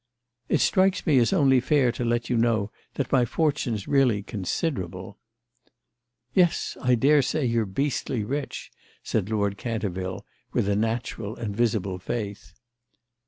"It strikes me as only fair to let you know that my fortune's really considerable." "Yes, I daresay you're beastly rich," said Lord Canterville with a natural and visible faith.